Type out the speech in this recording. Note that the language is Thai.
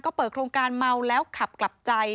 ก็เปิดโครงการเมาแล้วขับกลับใจ